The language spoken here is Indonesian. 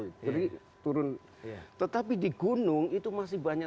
masih banyak sakit film tersebut cuma untuk menurut saya ya karena karena waktu itu kita sudah mulai punya